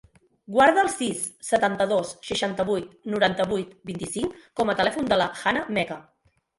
Guarda el sis, setanta-dos, seixanta-vuit, noranta-vuit, vint-i-cinc com a telèfon de la Hannah Meca.